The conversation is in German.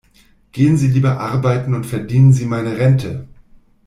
Gehen Sie lieber arbeiten und verdienen Sie meine Rente!